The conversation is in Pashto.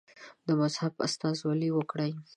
د مذهب استازولي وکړي.